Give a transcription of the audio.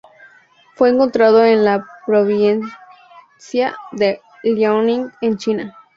Fue encontrado en la provincia de Liaoning en China.